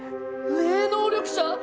霊能力者！？